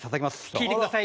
聴いてください。